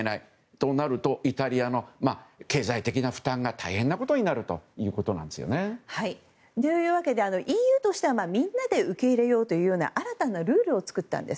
そうなるとイタリアの経済的な負担が大変なことになるということなんです。というわけでＥＵとしてはみんなで受け入れようというような新たなルールを作ったんです。